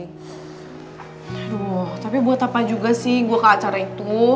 aduh tapi buat apa juga sih gue ke acara itu